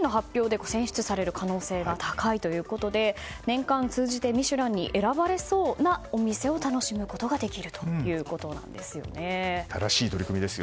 オススメの店は東京の場合は今年秋の発表で選出される可能性が高いということで年間を通じて「ミシュラン」に選ばれそうなお店を楽しむことができるということです。